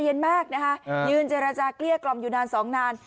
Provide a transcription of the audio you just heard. เย็นมากนะคะยืนเจรจาเกลี้ยกล่อมอยู่นานสองนาน